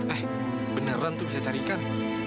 eh beneran tuh bisa cari ikan